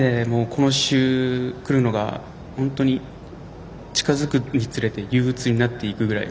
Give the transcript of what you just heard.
今週、来るのが本当に近づくにつれて憂うつになっていくぐらい